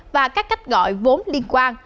và các cách gọi vốn liên quan